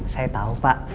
saya tau pak